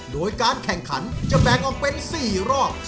โดยการแข่งขันจะแบ่งออกเป็น๔รอบ